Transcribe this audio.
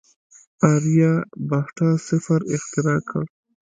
آریابهټا صفر اختراع کړ.